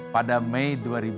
pada mei dua ribu lima belas